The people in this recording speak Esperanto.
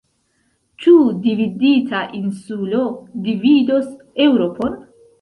Ĉu dividita insulo dividos Eŭropon?